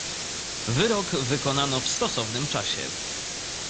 "Wyrok wykonano w stosownym czasie."